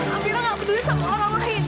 amira gak peduli sama orang lain